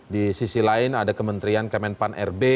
di sisi lain ada kementerian kemenpan rb